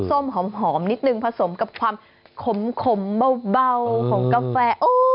ส้มหอมนิดนึงผสมกับความขมเบาของกาแฟ